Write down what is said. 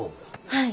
はい。